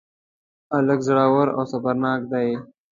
هلک زړور او صبرناک دی.